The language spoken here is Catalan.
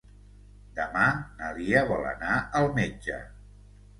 Demà na Lia vol anar al metge.